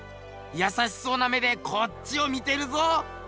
優しそうな目でこっちを見てるぞ。